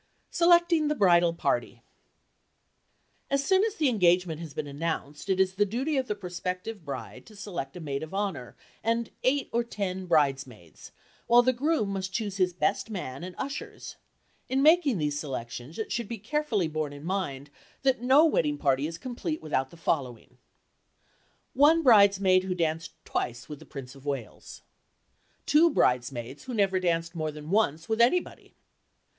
SELECTING THE BRIDAL PARTY AS soon as the engagement has been announced it is the duty of the prospective bride to select a maid of honor and eight or ten bridesmaids, while the groom must choose his best man and ushers. In making these selections it should be carefully borne in mind that no wedding party is complete without the following: 1 bridesmaid who danced twice with the Prince of Wales. 2 Bridesmaids who never danced more than once with anybody.